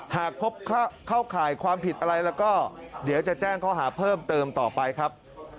หากพบเข้าข่ายความผิดอะไรแล้วก็เดี๋ยวจะแจ้งข้อหาเพิ่มเติมต่อไปครับ